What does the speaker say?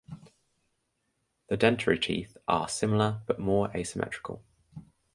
The dentary teeth are similar but more asymmetrical.